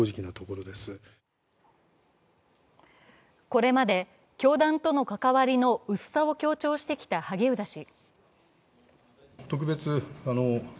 これまで教団との関わりの薄さを強調してきた萩生田氏。